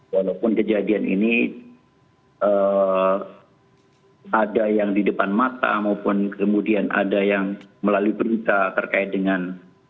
walaupun kejadian ini ada yang di depan mata maupun kemudian ada yang melalui berita terkait dengan